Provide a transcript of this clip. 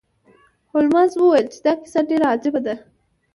هولمز وویل چې دا کیسه ډیره عجیبه ده.